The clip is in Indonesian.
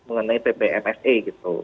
mengenai ppmse gitu